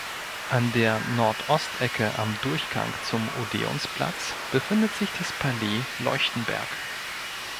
An der Nordostecke am Durchgang zum Odeonsplatz befindet sich das Palais Leuchtenberg.